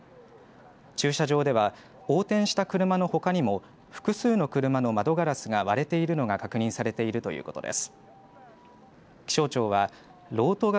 駐車場では横転した車のほかにも、複数の車の窓ガラスが割れているのが確認されているということです。